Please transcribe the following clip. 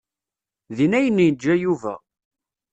Din ay n-yeǧǧa Yuba.